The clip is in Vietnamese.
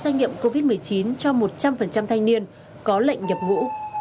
xét nghiệm covid một mươi chín cho một trăm linh thanh niên có lệnh nhập ngũ